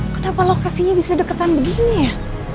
kenapa lokasinya bisa deketan begini ya